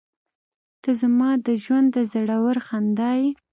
• ته زما د ژونده زړور خندا یې.